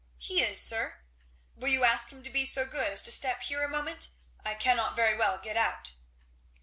"He is, sir." "Will you ask him to be so good as to step here a moment? I cannot very well get out."